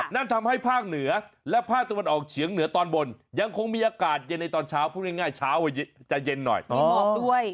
นั่นทำให้ภาคเหนือและภาคตะวันออกเฉียงเหนือตอนบนยังคงมีอากาศเย็นในตอนเช้าพูดง่ายเช้าจะเย็นหน่อยมีหมอกด้วย